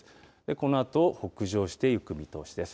このあと、北上していく見通しです。